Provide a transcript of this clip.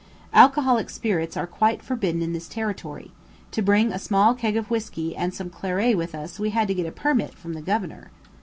Alcoholic spirits are quite forbidden in this territory; to bring a small keg of whisky and some claret with us we had to get a permit from the Governor.